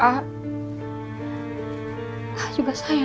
seburuk apapun kondisi kita